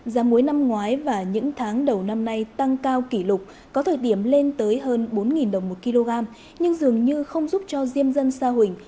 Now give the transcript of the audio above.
giá muối năm ngoái và những tháng đầu năm nay tăng cao kỷ lục có thời điểm lên tới hơn bốn đồng một kg nhưng dường như không giúp cho diêm dân sa huỳnh